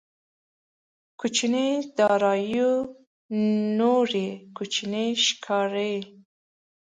کوچنيې داراییو نورې کوچنۍ ښکاري.